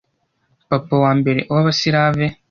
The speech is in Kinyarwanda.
Papa wa mbere w'Abasilave,